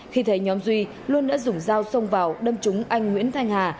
khi thấy nhóm duy luân đã dùng dao xông vào đâm trúng anh nguyễn thanh hà